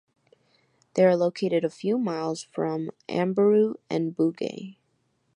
They are located a few miles from Ambérieu-en-Bugey.